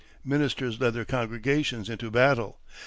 Ministers led their congregations into battle.